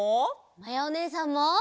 まやおねえさんも。